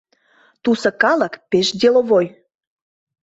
Тусо калык пеш «деловой».